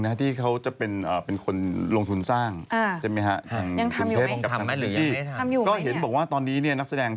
นอกนี่น่ะ